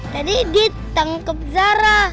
tadi ditangkap zarah